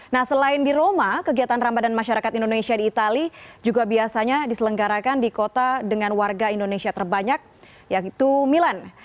nah selain di roma kegiatan ramadan masyarakat indonesia di itali juga biasanya diselenggarakan di kota dengan warga indonesia terbanyak yaitu milan